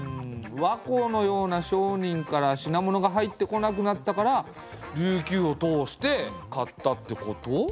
倭寇のような商人から品物が入ってこなくなったから琉球を通して買ったってこと？